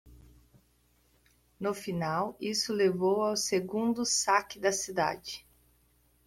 No final, isso levou ao segundo saque da cidade.